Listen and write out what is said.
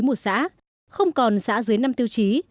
một xã không còn xã dưới năm tiêu chí